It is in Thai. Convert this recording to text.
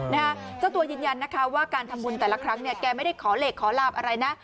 เจ้าตัวยืนยันนะคะว่าการทำบุญแต่ละครั้งเนี่ยแกไม่ได้ขอเลขขอหลาบอะไรนะ